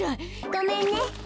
ごめんね。